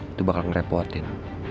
itu bakal ngerepotin